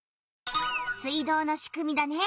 水道のしくみだね。